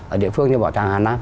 ở địa phương như bảo tàng hà nam